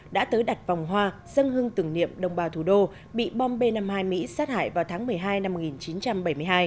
đã tới đặt vòng hoa dâng hương tưởng niệm đồng bào thủ đô bị bom b năm mươi hai mỹ sát hại vào tháng một mươi hai năm một nghìn chín trăm bảy mươi hai